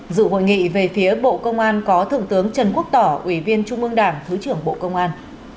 dự hội nghị về phía bộ công an có thượng tướng trần quốc tỏ ủy viên trung ương đảng thứ trưởng bộ công an